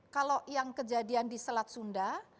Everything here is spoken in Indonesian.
kalau yang kejadian di selat sunda